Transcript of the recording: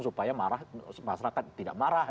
supaya masyarakat tidak marah